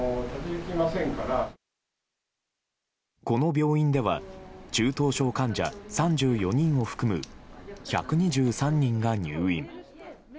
この病院では中等症患者３４人を含む１２３人が入院。